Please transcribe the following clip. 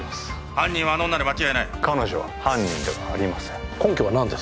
犯人はあの女で間違いない彼女は犯人ではありません根拠は何です？